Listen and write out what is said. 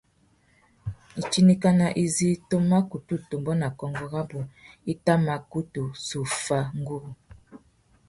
Itindikana izí tu mà kutu tumba nà kônkô rabú i tà mà kutu zu fá nguru.